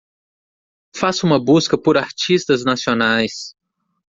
Faça uma busca por artistas nacionais.